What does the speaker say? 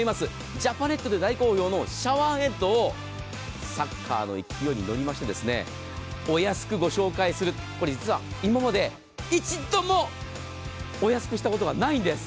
ジャパネットで大好評のシャワーヘッドをサッカーの勢いに乗りましてお安くご紹介するこれ、実は今まで一度もお安くしたことがないんです。